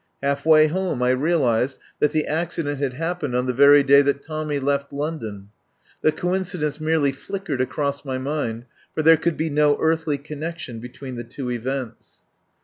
Half way home I realised that the accident had happened on the very day that Tommy left London. The coincidence merely flickered across my mind, for there could be no earthly connection be tween the two events.